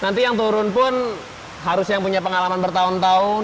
nanti yang turun pun harus yang punya pengalaman bertahun tahun